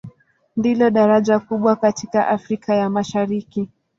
Ndilo daraja kubwa katika Afrika ya Mashariki.